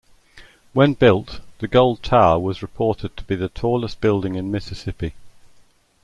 When built, the gold tower was reported to be the tallest building in Mississippi.